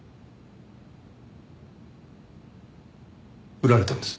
振られたんです。